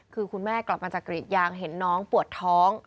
คือคุณแม่กลับมาจากกรีดยางเห็นน้องปวดท้อง